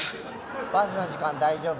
バスの時間大丈夫？